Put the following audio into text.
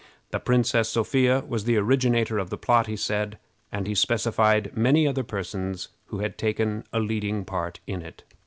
The Princess Sophia was the originator of the plot, he said, and he specified many other persons who had taken a leading part in it.